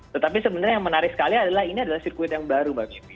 tetapi sebenarnya yang menarik sekali adalah ini adalah sirkuit yang baru mbak mipi